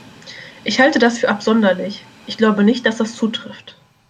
Ich halte das für absonderlich, ich glaube nicht, dass das zutrifft.